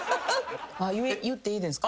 言っていいですか？